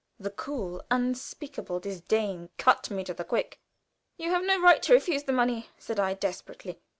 The cool, unspeakable disdain cut me to the quick. "You have no right to refuse the money," said I, desperately.